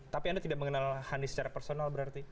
tapi anda tidak mengenal hani secara personal berarti